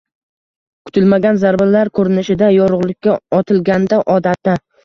kutilmagan zarbalar ko‘rinishida “yorug‘likka” otilganda odatda